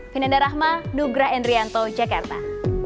vinanda rahma dugra endrianto jakarta